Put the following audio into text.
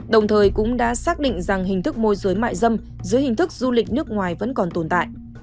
đồng thời cũng đã xác định rằng hình thức môi giới mại dâm dưới hình thức du lịch nước ngoài vẫn còn tồn tại